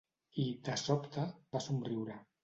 I, de sobte, va somriure.